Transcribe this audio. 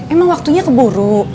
emang waktunya keburu